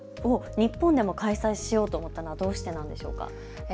日本でも開催しようと思ったのはどうしてでしょうか。